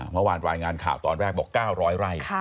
เมื่อวานรายงานข่าวตอนแรกบอก๙๐๐ไร่